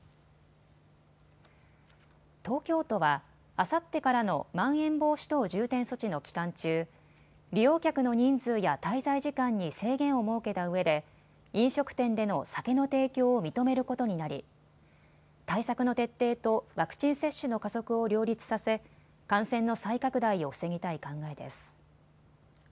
東京都はあさってからのまん延防止等重点措置の期間中、利用客の人数や滞在時間に制限を設けたうえで飲食店での酒の提供を認めることになり対策の徹底とワクチン接種の加速を両立させ感染の再拡大を防ぎたい考えです。